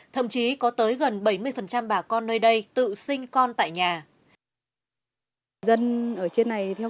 thậm chí có tới gần bảy mươi bà con nơi đây